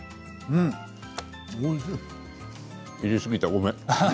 入れすぎた。